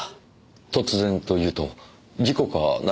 突然というと事故か何かでしょうか？